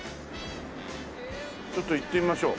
ちょっと行ってみましょう。